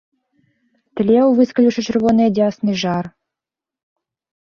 Тлеў, выскаліўшы чырвоныя дзясны, жар.